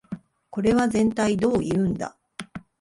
これはぜんたいどういうんだ